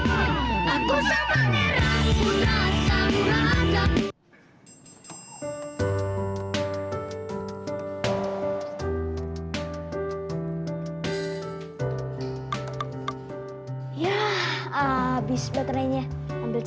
aku sama merah putra sama raja